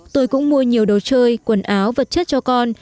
tôi cũng mua nhiều đồ chơi quần áo vật chất cho con